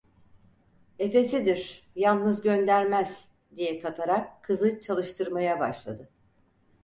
"Efesidir, yalnız göndermez" diye katarak kızı çalıştırmaya başladı.